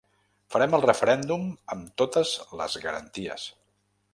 Farem el referèndum amb totes les garanties.